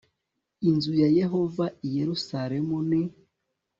inzu ya Yehova i Yerusalemu n